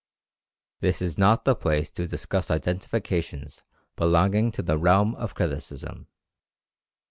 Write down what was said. This is not the place to discuss identifications belonging to the realm of criticism.